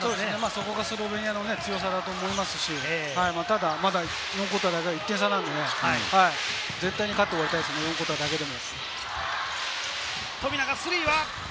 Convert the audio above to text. そこがスロベニアの強さだと思いますし、ただ１点差なので、絶対に勝って終わりたいですね、このクオーターだけでも。